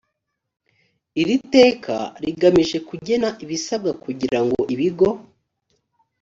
iri teka rigamije kugena ibisabwa kugira ngo ibigo